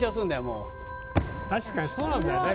もう確かにそうなんだよね